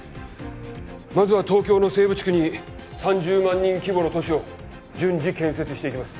まずは東京の西部地区に３０万人規模の都市を順次建設していきます